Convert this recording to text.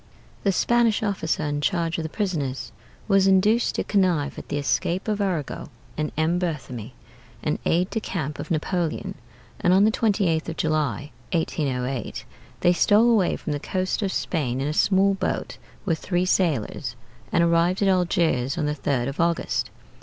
The Spanish officer in charge of the prisoners was induced to connive at the escape of Arago and M. Berthémie (an aide de camp of Napoleon); and on the 28th of July, 1808, they stole away from the coast of Spain in a small boat with three sailors, and arrived at Algiers on the 3d of August.